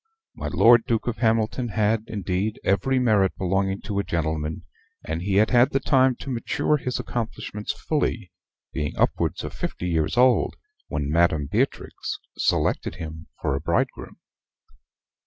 My Lord Duke of Hamilton had, indeed, every merit belonging to a gentleman, and he had had the time to mature his accomplishments fully, being upwards of fifty years old when Madam Beatrix selected him for a bridegroom.